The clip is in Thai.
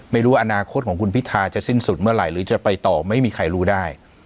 ไม่รู้อนาคตของคุณพิทาจะสิ้นสุดเมื่อไหร่หรือจะไปต่อไม่มีใครรู้ได้